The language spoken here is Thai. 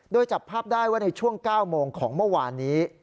โดยจับภาพได้ว่าในช่วง๙โมงของเมื่อวานนี้